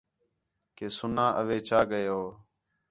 کہ سُنا اوہے چا ڳئے ہو